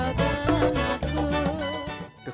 yang memiliki kekuatan yang berbeda